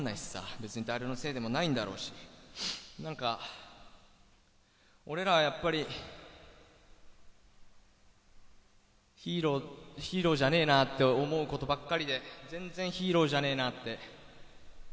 別に誰のせいでもないんだろうし、俺らはやっぱりヒーローじゃねぇなと思うことばっかりで、全然ヒーローじゃねぇなって。